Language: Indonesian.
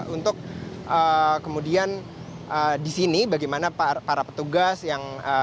untuk kemudian di sini bagaimana para petugas yang